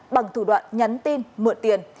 bằng thủ đoạn nhắn tin mượn tiền